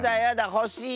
ほしい！